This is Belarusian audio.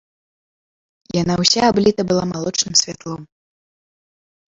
Яна ўся абліта была малочным святлом.